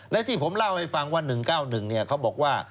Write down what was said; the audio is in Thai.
และที่ผมเล่าให้ฟังว่า๑๙๑เขาบอกว่า